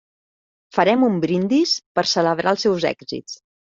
Farem un brindis per celebrar els seus èxits.